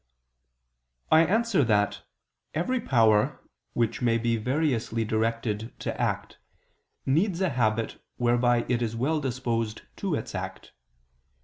I answer that, Every power which may be variously directed to act, needs a habit whereby it is well disposed to its act.